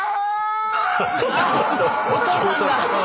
お父さんが。